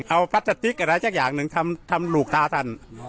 เอาพัสติ๊กอะไรแช่งอย่างหนึ่งทำทำหลูกตาท่าน